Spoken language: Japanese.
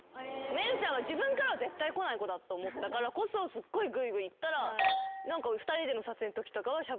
めるちゃんは自分からは絶対こない子だと思ったからこそすっごいぐいぐいいったら。